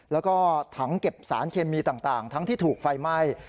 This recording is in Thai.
แล้วก็ถังเก็บสารเคมีต่างทั้งที่ถูกไฟไหม้